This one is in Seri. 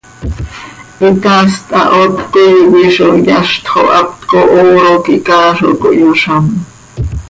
Hitaast hahoot cöcoii coi zo yazt xo haptco hooro quih chaa zo cohyozám.